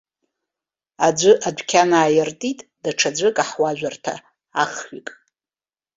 Аӡәы адәқьан ааиртит, даҽаӡәы акаҳуажәырҭа, ахҩык.